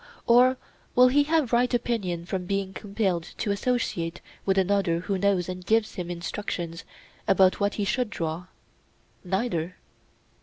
or will he have right opinion from being compelled to associate with another who knows and gives him instructions about what he should draw? Neither.